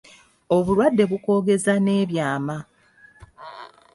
Obulwadde bukwogeza n’ebyama.